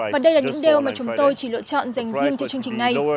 và đây là những điều mà chúng tôi chỉ lựa chọn dành riêng cho chương trình này